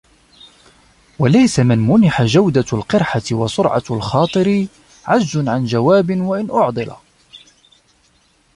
وَلَيْسَ لِمَنْ مُنِحَ جَوْدَةُ الْقَرِيحَةِ وَسُرْعَةُ الْخَاطِرِ عَجْزٌ عَنْ جَوَابٍ وَإِنْ أُعْضِلَ